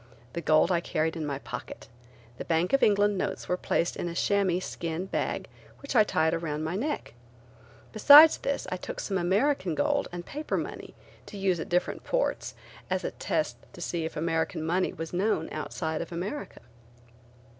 The gold I carried in my pocket. The Bank of England notes were placed in a chamois skin bag which I tied around my neck. Besides this I took some American gold and paper money to use at different ports as a test to see if American money was known outside of America.